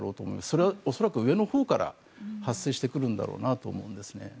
それは恐らく上のほうから発生してくると思うんですね。